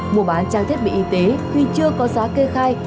mua bán trang thiết bị y tế khi chưa có giá kê khai